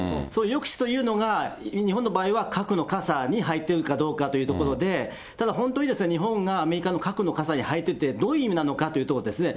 抑止というのが日本の場合は、核のかさに入っているかどうかというところで、ただ、本当に日本がアメリカの核の傘に入ってて、どういう意味なのかということですね。